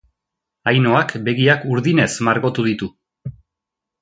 Ainhoak begiak urdinez margotu ditu.